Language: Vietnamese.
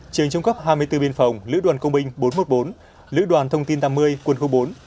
trường trung cấp hai mươi bốn biên phòng lữ đoàn công binh bốn trăm một mươi bốn lữ đoàn thông tin tám mươi quân khu bốn